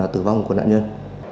tử vong của nạn nhân